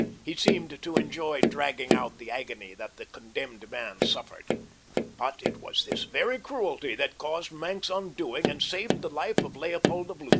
He seemed to enjoy dragging out the agony that the condemned man suffered. But it was this very cruelty that caused Maenck's undoing and saved the life of Leopold of Lutha.